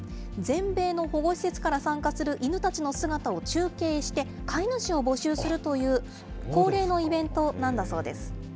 全米の保護施設から参加する犬たちの姿を中継して、飼い主を募集するという、恒例のイベントなんだそうです。